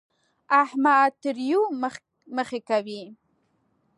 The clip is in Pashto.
احمد تريو مخی کوي.